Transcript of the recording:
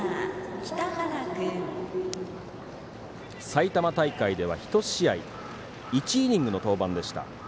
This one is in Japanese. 埼玉大会では１試合１イニングの登板でした。